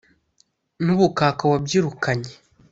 N'ubukaka wabyirukanye